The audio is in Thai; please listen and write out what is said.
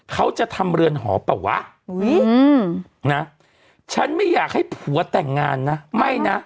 เขาจะทำเรือนหอเปล่าวะนะฉันไม่อยากให้ผัวแต่งงานนะไม่นะ